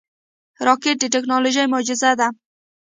راکټ د ټکنالوژۍ معجزه ده